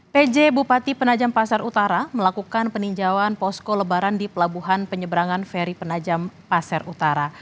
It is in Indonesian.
pj bupati penajam pasar utara melakukan peninjauan posko lebaran di pelabuhan penyeberangan feri penajam pasir utara